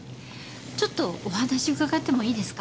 ちょっとお話伺ってもいいですか？